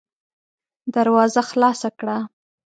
دروازه خلاصه کړه!